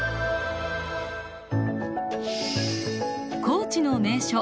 高知の名所